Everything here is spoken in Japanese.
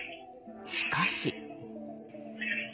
しかし。